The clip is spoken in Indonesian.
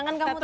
kan kamu tau